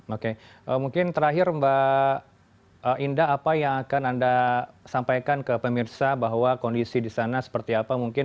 oke mungkin terakhir mbak indah apa yang akan anda sampaikan ke pemirsa bahwa kondisi di sana seperti apa mungkin